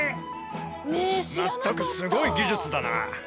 全くすごい技術だな